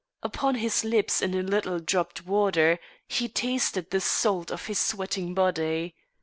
Upon his lips in a little dropped water; he tasted the salt of his sweating body.